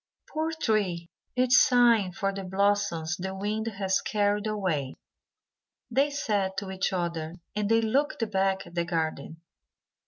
"Poor tree! it is sighing for the blossoms the wind has carried away," they said to each other, and they looked back at the garden.